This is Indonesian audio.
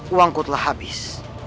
uangku telah habis